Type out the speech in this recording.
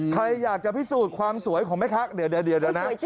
ใครอยากจะพิสูจน์ความสวยของแม่ค้าเดี๋ยวนะ